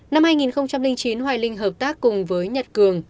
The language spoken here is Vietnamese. năm hai nghìn chín hoài linh hợp tác cùng với nhật cường